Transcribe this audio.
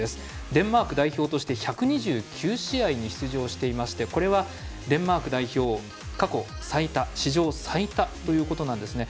デンマーク代表として１２９試合に出場していましてこれはデンマーク代表過去最多史上最多ということなんですね。